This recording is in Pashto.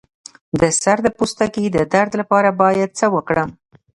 د سر د پوستکي د درد لپاره باید څه وکړم؟